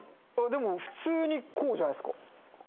でも普通にこうじゃないですか？